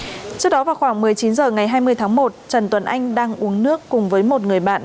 trước đó vào khoảng một mươi chín h ngày hai mươi tháng một trần tuấn anh đang uống nước cùng với một người bạn